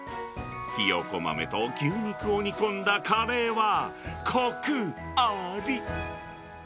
ひよこ豆と牛肉を煮込んだカレーは、こくあり。